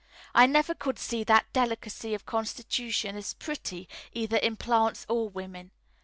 I never could see that delicacy of constitution is pretty, either in plants or women.